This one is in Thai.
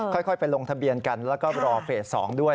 ค่อยไปลงทะเบียนกันแล้วก็รอเฟส๒ด้วย